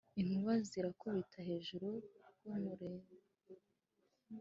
Inkuba zirakubita hejuru y'umurera